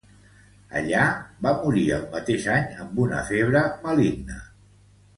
Allà va morir el mateix any amb una febre maligna.